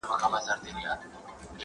دروني ارامي په ځان کي پیدا کړئ.